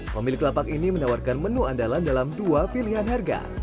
pemilik lapak ini menawarkan menu andalan dalam dua pilihan harga